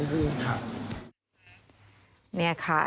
เนี่ยค่ะ